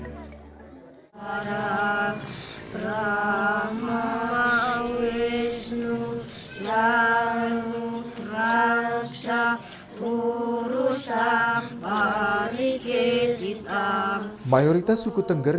jangan lupa subscribe channel delapan